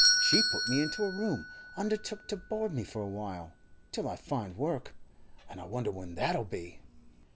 She put me into a room, undertook to board me for a while—till I find work, and I wonder when that'll be?